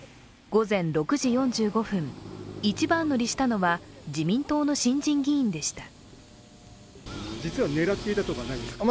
午前６時４５分、一番乗りしたのは、自民党の新人議員でした。